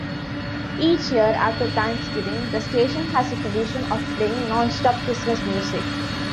Each year after Thanksgiving, the station has a tradition of playing "Non-Stop Christmas Music".